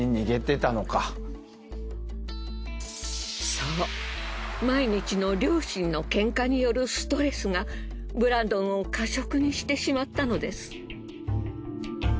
そう毎日の両親のケンカによるストレスがブランドンを過食にしてしまったのです。